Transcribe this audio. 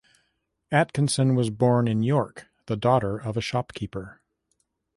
Atkinson was born in York, the daughter of a shopkeeper.